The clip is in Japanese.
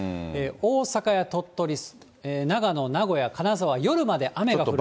大阪や鳥取、長野、名古屋、金沢、夜まで雨が降ります。